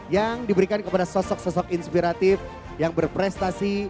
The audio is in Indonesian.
yang diberikan kepada sosok sosok inspiratif yang berprestasi